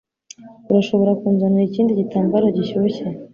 Urashobora kunzanira ikindi gitambaro gishyushye?